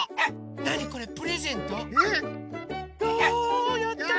なにこれプレゼント？わやったね！